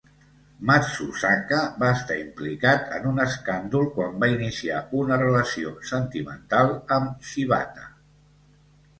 Matsuzaka va estar implicat en un escàndol quan va iniciar una relació sentimental amb Shibata.